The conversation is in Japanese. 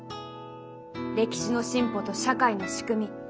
歴史の進歩と社会の仕組み。